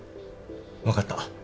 分かった。